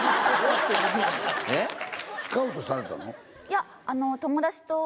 いや。